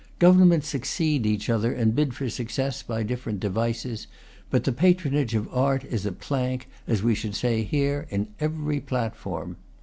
Governments suc ceed each other and bid for success by different devices; but the "patronage of art" is a plank, as we should say here, in every platform.